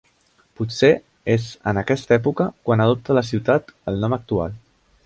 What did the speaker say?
Potser és en aquesta època quan adopta la ciutat el nom actual.